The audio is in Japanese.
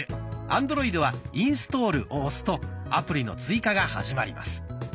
アンドロイドは「インストール」を押すとアプリの追加が始まります。